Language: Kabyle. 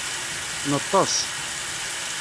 Neṭṭes.